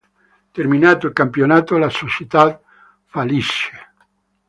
Terminato il campionato, la società fallisce.